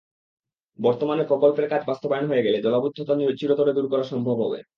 বর্তমানে প্রকল্পের কাজ বাস্তবায়ন হয়ে গেলে জলাবদ্ধতা চিরতরে দূর করা সম্ভব হবে।